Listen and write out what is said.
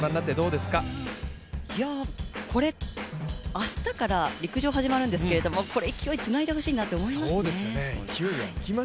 明日から、陸上始まるんですけどこれ、勢いをつないでほしいなと思いますね。